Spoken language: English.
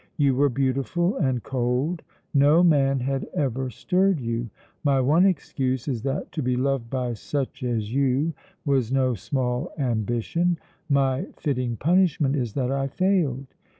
You were beautiful and cold; no man had ever stirred you; my one excuse is that to be loved by such as you was no small ambition; my fitting punishment is that I failed."